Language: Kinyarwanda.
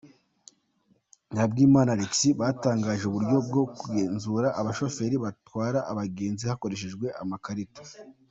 Nzahabwanimana Alexis, batangije uburyo bwo kugenzura abashoferi batwara abagenzi hakoreshejwe amakarita.